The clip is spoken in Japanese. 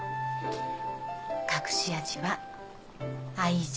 隠し味は愛情。